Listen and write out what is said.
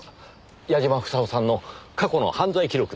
矢嶋房夫さんの過去の犯罪記録です。